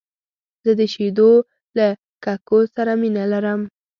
زه د شیدو له ککو سره مینه لرم .